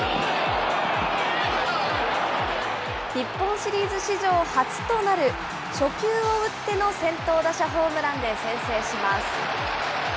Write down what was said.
日本シリーズ史上初となる、初球を打っての先頭打者ホームランで先制します。